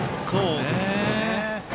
そうですよね。